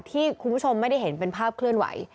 ที่คุณผู้ชมไม่ได้เห็นเป็นภาพเคลื่อนไหว